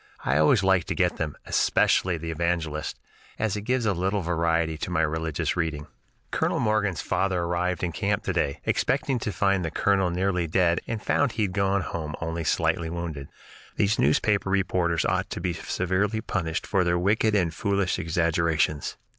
I always like to get them, especially the 'Evangelist,' as it gives a little variety to my religious reading. "Colonel Morgan's father arrived in camp to day, expecting to find the colonel nearly dead, and found he had gone home only slightly wounded. These newspaper reporters ought to be severely punished for their wicked and foolish exaggerations.